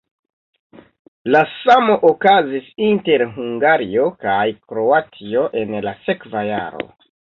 La samo okazis inter Hungario kaj Kroatio en la sekva jaro.